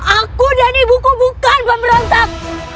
aku dan ibu ku bukan pemberontak